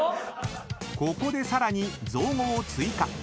［ここでさらに造語を追加］